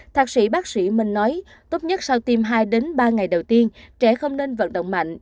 thạc sĩ bác sĩ minh nói tốt nhất sau tiêm hai ba ngày đầu tiên trẻ không nên vận động mạnh